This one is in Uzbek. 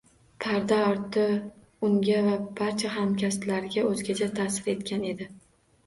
Parda orti unga va barcha hamkasblariga o‘zgacha ta’sir etgan edi.